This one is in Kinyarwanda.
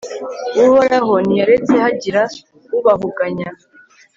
uhoraho ntiyaretse hagira ubahuganya